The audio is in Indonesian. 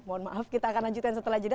mohon maaf kita akan lanjutkan setelah jeda